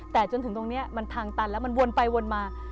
แต่จนถึงตรงนี้มันทางตันแล้วมันวนไปวนมา